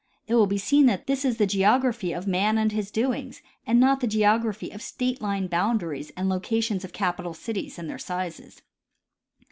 It will be seen that this is the geography of man and his doings, and not the geography of state line boundaries and locations of capital cities and their sizes.